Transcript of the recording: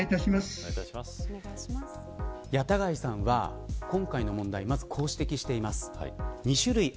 谷田貝さんは今回の問題をこう指摘しています。